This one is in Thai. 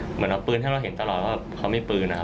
เหมือนเอาปืนให้เราเห็นตลอดว่าเขามีปืนนะครับ